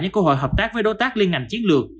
những cơ hội hợp tác với đối tác liên ngành chiến lược